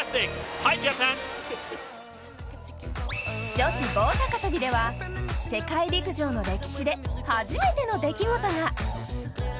女子棒高跳では世界陸上の歴史で初めての出来事が。